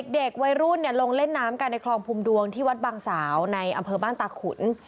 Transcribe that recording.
เด็กวัยรุ่นลงเล่นน้ำกันในคลองภูมิดวงที่วัดบางสาวในอำเภอบ้านตาขุน